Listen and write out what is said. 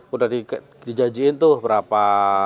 udah dijajiin tuh berapa